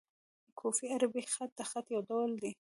کوفي عربي خط؛ د خط یو ډول دﺉ.